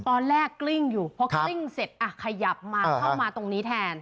ตอนแรกกลิ้งอยู่เพราะกลิ้งเสร็จขยับเข้ามาตรงนี้แทน